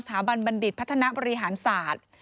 บันบัณฑิตพัฒนาบริหารศาสตร์